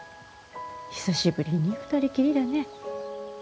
久しぶりに二人きりだね。